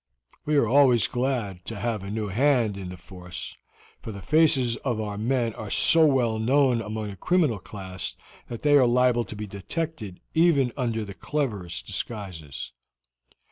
We are always glad to have a new hand in the force, for the faces of our men are so well known among the criminal class that they are liable to be detected even under the cleverest disguises.